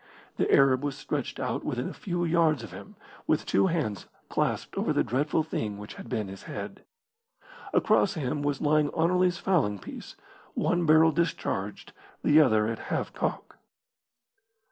The Arab was stretched out within a few yards of him, with two hands clasped over the dreadful thing which had been his head. Across him was lying Anerley's fowling piece, one barrel discharged, the other at half cock.